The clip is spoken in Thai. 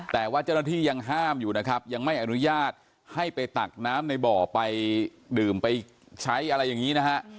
แต่ว่าเจ้าหน้าที่ยังห้ามอยู่นะครับยังไม่อนุญาตให้ไปตักน้ำในบ่อไปดื่มไปใช้อะไรอย่างนี้นะฮะ